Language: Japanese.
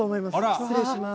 失礼します。